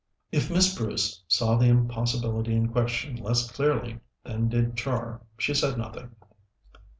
If Miss Bruce saw the impossibility in question less clearly than did Char, she said nothing.